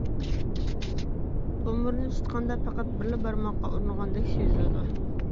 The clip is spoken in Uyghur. تومۇرنى تۇتقاندا پەقەت بىرلا بارماققا ئۇرۇنغاندەك سېزىلىدۇ.